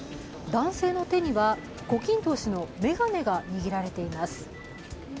男性の手には、胡錦涛氏の眼鏡が握られています。